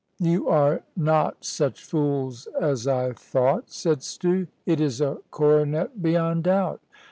"You are not such fools as I thought," said Stew; "it is a coronet beyond doubt.